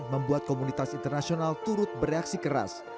membuat komunitas internasional turut bereaksi keras